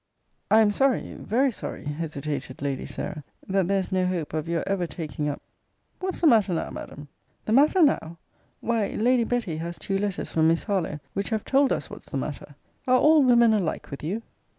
Hem! Hem! I am sorry, very sorry, hesitated Lady Sarah, that there is no hope of your ever taking up What's the matter now, Madam? The matter now! Why Lady Betty has two letters from Miss Harlowe, which have told us what's the matter Are all women alike with you?